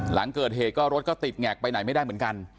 หลังเกิดเหตุก็รถก็ติดแงกไปไหนไม่ได้เหมือนกัน